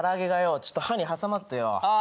ちょっと歯に挟まってよああ